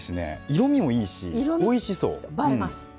色みもいいし、おいしそう。